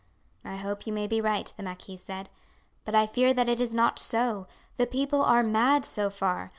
"I hope you may be right," the marquis said; "but I fear that it is not so. The people are mad so far.